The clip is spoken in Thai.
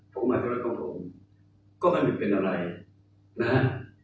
ผมหมายความรักของผมก็ไม่มีเป็นอะไรนะฮะ